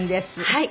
はい。